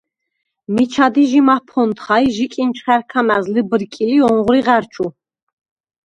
მიჩა დი ჟი მაფონთხა ი ჯი კინჩხა̈რქა მა̈ზ ლჷბერკილ ი ოღვრი ღა̈რჩუ.